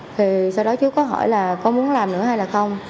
thì sau đó chú có hỏi là con muốn làm nữa hay là không